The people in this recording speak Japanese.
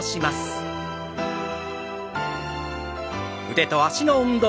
腕と脚の運動。